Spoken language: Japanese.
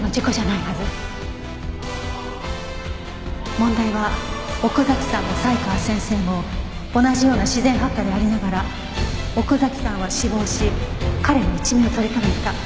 問題は奥崎さんも才川先生も同じような自然発火でありながら奥崎さんは死亡し彼は一命を取り留めた。